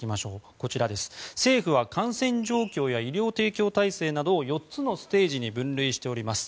こちら、政府は感染状況や医療提供体制などを４つのステージに分類しております。